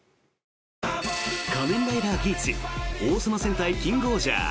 「仮面ライダーギーツ」「王様戦隊キングオージャー」